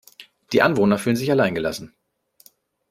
Die Anwohner fühlen sich allein gelassen.